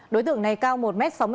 đối tượng này cao một m sáu mươi bốn